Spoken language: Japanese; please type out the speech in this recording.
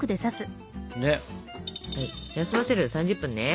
休ませるの３０分ね。